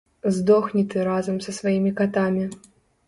Здохні ты разам са сваімі катамі!